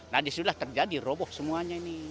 nah disitulah terjadi roboh semuanya ini